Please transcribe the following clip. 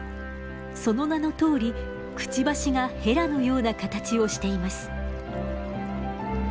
その名のとおりくちばしがヘラのような形をしています。